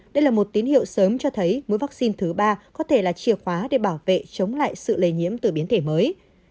đây là một tín hiệu sớm cho thấy mũi vaccine thứ ba có thể là chìa khóa để bảo vệ chống lại sự lây nhiễm từ biến thể mới